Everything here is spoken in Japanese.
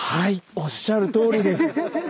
おっしゃるとおりです。